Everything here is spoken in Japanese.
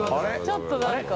ちょっとなんか。